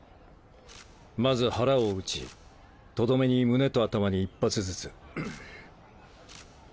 まず腹を撃ちとどめに胸と頭に１発ずつ。